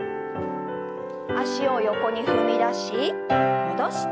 脚を横に踏み出し戻して。